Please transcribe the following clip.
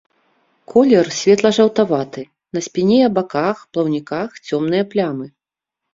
Колер светла-жаўтаваты, на спіне, баках, плаўніках цёмныя плямы.